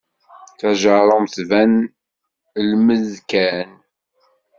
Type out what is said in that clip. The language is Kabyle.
Tajerrumt tban lmed kan.